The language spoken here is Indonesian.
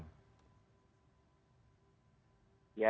ya kita kan sudah siap